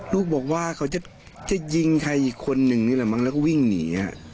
ลูกบอกว่าเขาจะยิงใครอีกคนนึงนี่แหละมั้งแล้วก็วิ่งหนี